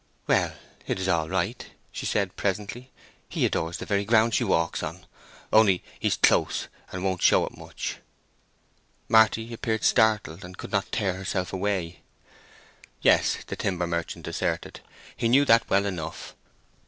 "Well, it is all right," she said, presently. "He adores the very ground she walks on; only he's close, and won't show it much." Marty South appeared startled, and could not tear herself away. Yes, the timber merchant asserted, he knew that well enough.